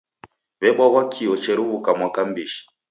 W'ebwaghwa kio cheruw'uka mwaka m'bishi.